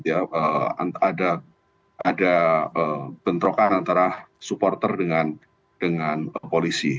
ada bentrokan antara supporter dengan polisi